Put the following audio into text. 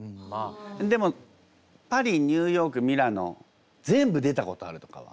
でもパリニューヨークミラノ全部出たことあるとかは。